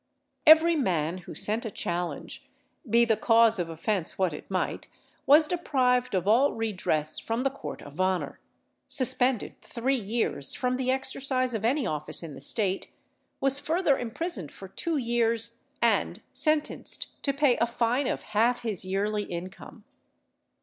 Every man who sent a challenge, be the cause of offence what it might, was deprived of all redress from the court of honour suspended three years from the exercise of any office in the state was further imprisoned for two years, and sentenced to pay a fine of half his yearly income.